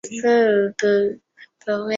揭示了每个国家拥有相对优势的原因。